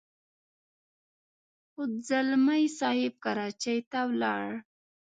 خو ځلمی صاحب کراچۍ ته ولاړ.